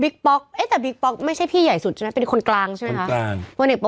ป๊อกเอ๊ะแต่บิ๊กป๊อกไม่ใช่พี่ใหญ่สุดใช่ไหมเป็นคนกลางใช่ไหมคะ